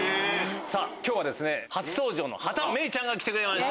今日は初登場の畑芽育ちゃんが来てくれました。